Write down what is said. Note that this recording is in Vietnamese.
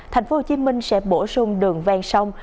tp hcm sẽ bổ sung đường ven sông